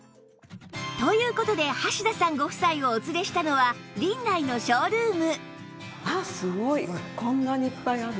という事で橋田さんご夫妻をお連れしたのはリンナイのショールーム